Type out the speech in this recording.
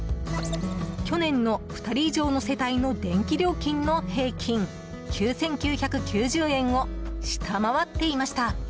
去年の２人以上の世帯の電気料金の平均９９９０円を下回っていました。